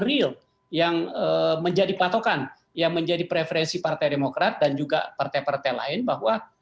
real yang menjadi patokan yang menjadi preferensi partai demokrat dan juga partai partai lain bahwa